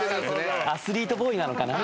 アスリートボーイなのかな？